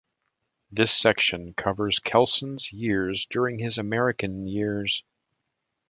This section covers Kelsen's years during his American years.